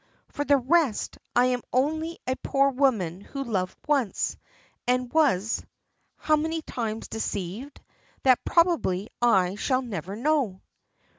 For the rest, I am only a poor woman who loved once, and was how many times deceived? That probably I shall never know."